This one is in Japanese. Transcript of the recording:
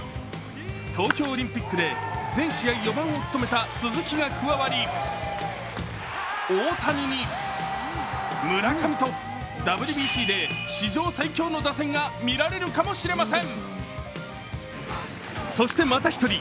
東京オリンピックで全試合４番を務めた鈴木が加わり、大谷に村上とＷＢＣで史上最強の打線が見られるかもしれません。